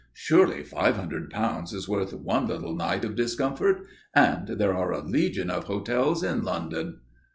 Surely five hundred pounds is worth one little night of discomfort? And there are a legion of hotels in London."